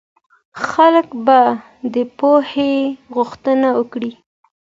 خلک به د پوهې غوښتنه وکړي.